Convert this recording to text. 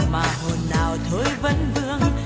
mà hồn nào thôi vẫn vương